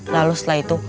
lalu setelah itu